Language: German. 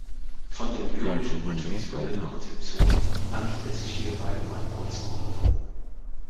Von der lyrischen und visuellen Konzeption handelt es sich hierbei um ein Oldschool-Album.